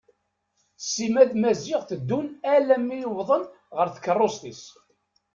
Sima d Maziɣ teddun alammi i wwḍen ɣer tkerrust-is.